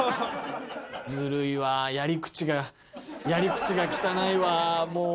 ずるいわー、やり口が、やり口が汚いわ、もう。